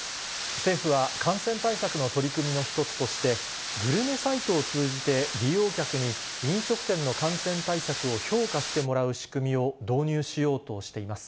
政府は、感染対策の取り組みの一つとして、グルメサイトを通じて利用客に、飲食店の感染対策を評価してもらう仕組みを導入しようとしています。